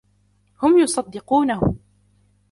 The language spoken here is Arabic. هم يصدقونه.